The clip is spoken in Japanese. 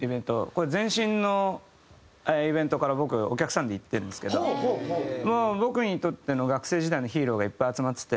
これ前身のイベントから僕お客さんで行ってるんですけどもう僕にとっての学生時代のヒーローがいっぱい集まってて。